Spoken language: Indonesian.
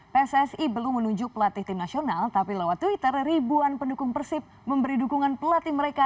pssi belum menunjuk pelatih tim nasional tapi lewat twitter ribuan pendukung persib memberi dukungan pelatih mereka